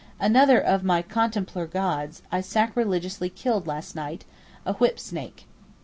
Another of my contemplar gods I sacrilegiously killed last night, a whip snake.